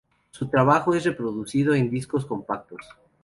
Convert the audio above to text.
Su trabajo es reproducido en discos compactos.